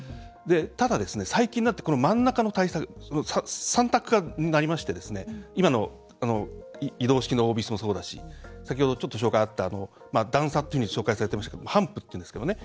ただ、最近になって真ん中の対策、３択になりまして今の移動式のオービスもそうだし先ほど、ちょっと紹介あった段差っていうふうに紹介されていましたけれどもハンプっていうんですけどね。